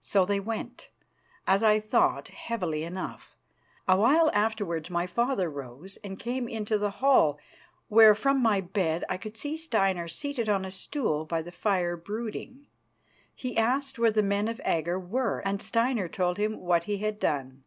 So they went, as I thought, heavily enough. A while afterwards my father rose and came into the hall, where from my bed I could see Steinar seated on a stool by the fire brooding. He asked where the men of Agger were, and Steinar told him what he had done.